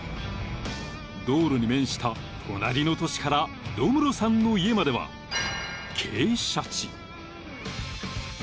［道路に面した隣の土地からロムロさんの家までは傾斜地］